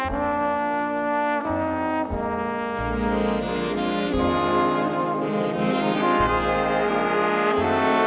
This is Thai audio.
โปรดติดตามต่อไป